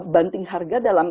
banting harga dalam